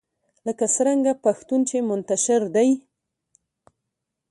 لکه څرنګه پښتون چې منتشر دی